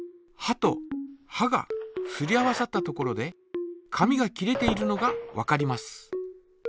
はとはがすり合わさったところで紙が切れているのがわかります。